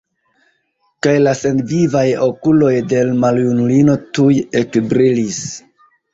Kaj la senvivaj okuloj de l' maljunulino tuj ekbrilis.